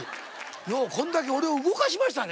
ようこれだけ俺を動かしましたね。